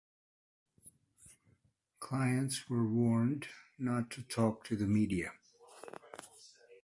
Clients were warned not to talk to the media.